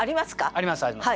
ありますあります